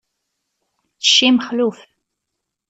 Cci, mexluf.